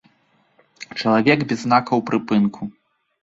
Чалавек без знакаў прыпынку.